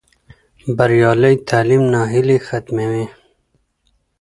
بریالی تعلیم ناهیلي ختموي.